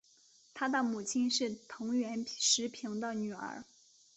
他的母亲是藤原时平的女儿。